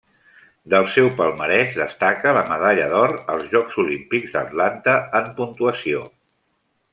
Del seu palmarès destaca la medalla d'or als Jocs Olímpics d'Atlanta en puntuació.